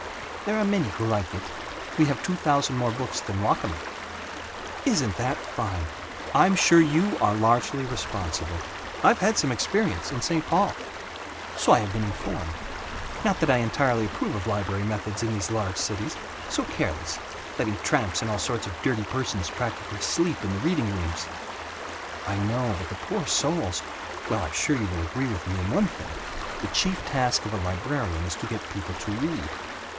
"There are many who like it. We have two thousand more books than Wakamin." "Isn't that fine. I'm sure you are largely responsible. I've had some experience, in St. Paul." "So I have been informed. Not that I entirely approve of library methods in these large cities. So careless, letting tramps and all sorts of dirty persons practically sleep in the reading rooms." "I know, but the poor souls Well, I'm sure you will agree with me in one thing: The chief task of a librarian is to get people to read."